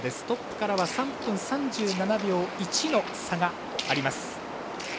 トップからは３分３７秒１の差。